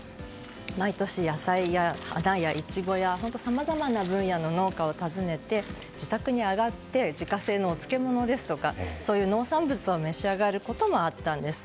毎年、野菜や花やイチゴなどさまざまな分野の農家を訪ねて自宅に上がって自家製のお漬け物ですとかそういう農産物を召し上がることもあったんです。